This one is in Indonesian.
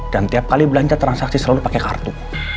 dan tiap kali belanja transaksi selalu pakai kartu